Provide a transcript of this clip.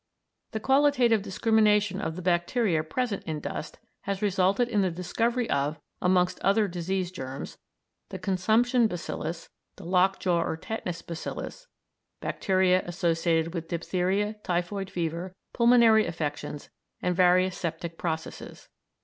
The qualitative discrimination of the bacteria present in dust has resulted in the discovery of, amongst other disease germs, the consumption bacillus, the lock jaw or tetanus bacillus, bacteria associated with diphtheria, typhoid fever, pulmonary affections, and various septic processes.